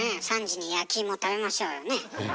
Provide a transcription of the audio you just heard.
３時に焼き芋食べましょうよねえ？